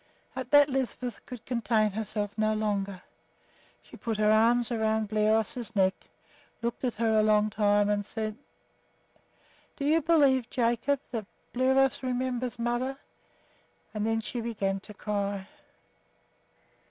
At that Lisbeth could contain herself no longer. She put her arms around Bliros's neck, looked at her a long time, and said, "Do you believe, Jacob, that Bliros remembers mother?" And then she began to cry.